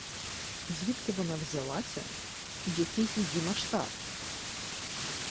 Звідки вона взялася, і який її масштаб?